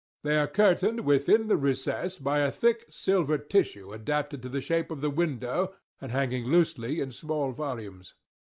They are curtained within the recess, by a thick silver tissue adapted to the shape of the window, and hanging loosely in small volumes.